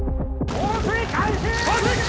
放水開始！